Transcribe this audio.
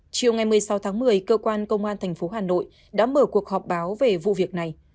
chiều ngày một mươi sáu tháng một mươi cơ quan công an tp hà nội đã mở cuộc họp báo về vụ việc này